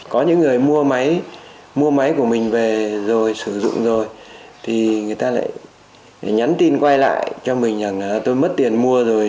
có những người mua máy của mình về rồi sử dụng rồi thì người ta lại nhắn tin quay lại cho mình rằng tôi mất tiền mua rồi